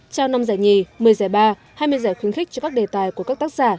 trao năm giải nhì một mươi giải ba hai mươi giải khuyến khích cho các đề tài của các tác giả